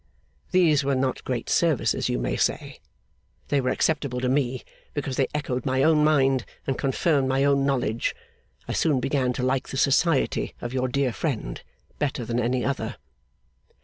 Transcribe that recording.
These were not great services, you may say. They were acceptable to me, because they echoed my own mind, and confirmed my own knowledge. I soon began to like the society of your dear friend better than any other.